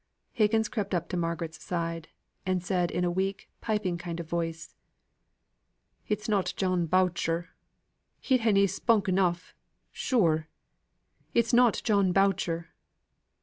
Higgins crept up to Margaret's side, and said in a weak piping kind of voice: "It's not John Boucher? He had na spunk enough. Sure! It's not John Boucher!